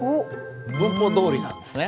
文法どおりなんですね。